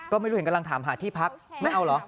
ก็ไม่รู้เห็นกำลังถามหาที่พักไม่เอาเหรอ